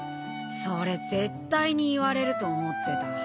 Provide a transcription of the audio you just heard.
それ絶対に言われると思ってた。